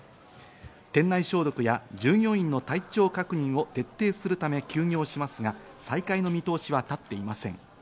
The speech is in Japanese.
店内消毒や従業員の体調確認を徹底するため休業しますが再開の見通しは立っていません。